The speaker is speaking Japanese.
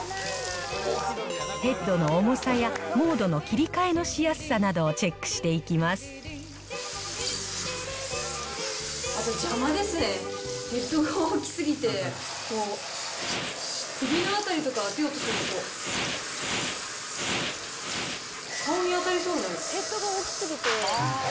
ヘッドの重さやモードの切り替えのしやすさなどをチェックしてい邪魔ですね。